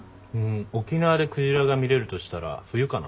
沖縄でクジラが見れるとしたら冬かな。